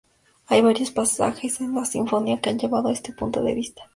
Hay varios pasajes en la Sinfonía que han llevado a este punto de vista.